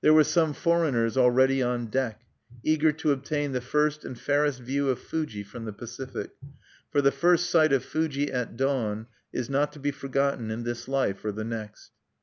There were some foreigners already on deck, eager to obtain the first and fairest view of Fuji from the Pacific; for the first sight of Fuji at dawn is not to be forgotten in this life or the next.